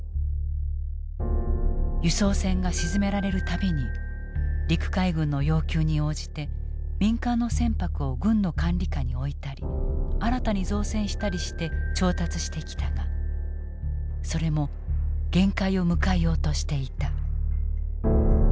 輸送船が沈められる度に陸海軍の要求に応じて民間の船舶を軍の管理下に置いたり新たに造船したりして調達してきたがそれも限界を迎えようとしていた。